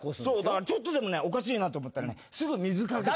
だからちょっとでもおかしいなと思ったらすぐ水かけて。